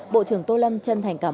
bộ trưởng tô lâm chân thành cảm ơn